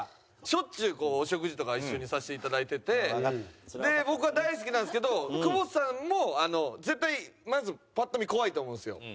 しょっちゅうお食事とか一緒にさせて頂いてて僕は大好きなんですけど久保田さんも絶対まずパッと見怖いと思うんですよ。